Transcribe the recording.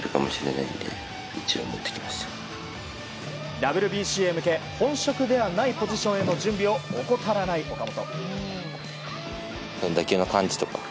ＷＢＣへ向け本職ではないポジションへの準備を怠らない岡本。